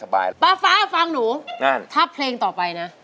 ป้าฟ้าฟังหนูนั่นถ้าเพลงต่อไปนะ